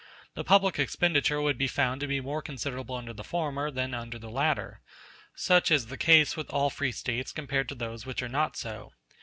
The public expenditure would be found to be more considerable under the former than under the latter; such is the case with all free States compared to those which are not so.